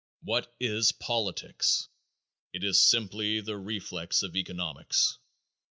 What is politics? It is simply the reflex of economics.